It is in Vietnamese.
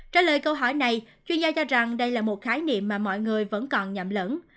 trả lời câu hỏi này chuyên gia cho rằng đây là một khái niệm mà mọi người vẫn còn nhậm lẫn